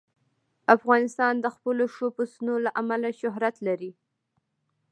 افغانستان د خپلو ښو پسونو له امله شهرت لري.